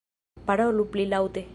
- Parolu pli laŭte.